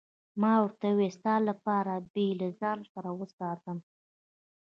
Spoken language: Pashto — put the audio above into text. ما ورته وویل: ستا لپاره به يې له ځان سره وساتم.